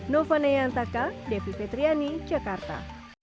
nova nayantaka devi petriani jakarta